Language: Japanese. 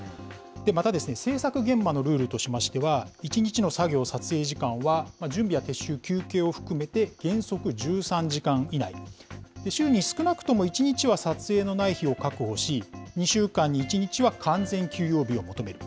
また、制作現場のルールとしましては、１日の作業・撮影時間は、準備や撤収、休憩を含めて原則１３時間以内、週に少なくとも１日は撮影のない日を確保し、２週間に１日は完全休養日を求める。